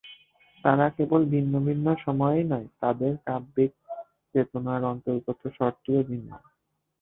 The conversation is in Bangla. তাঁরা কেবল ভিন্ন ভিন্ন সময়েরই নয়, তাঁদের কাব্যিক চেতনার অন্তর্গত স্বরটিও ভিন্ন।